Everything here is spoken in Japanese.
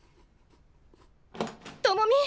智美！